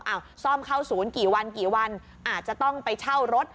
ซ่อมเข้าศูนย์กี่วันกี่วันอาจจะต้องไปเช่ารถ